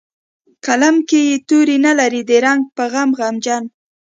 قلم کې یې توري نه لري د رنګ په غم غمجن